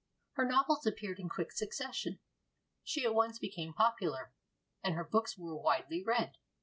Her novels appeared in quick succession; she at once became popular, and her books were widely read.